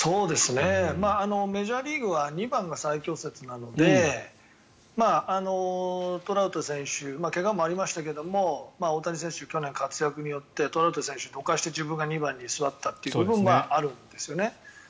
メジャーリーグは２番が最強説なのでトラウト選手怪我もありましたけど大谷選手、去年の活躍によってトラウト選手をどかして自分が２番に座ったという部分があるんですね。